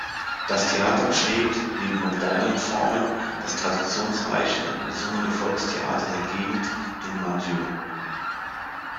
Das Theater pflegt, neben modernen Formen, das traditionsreiche gesungene Volkstheater der Gegend, den „Maggio“.